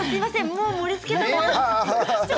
もう盛りつけたものが。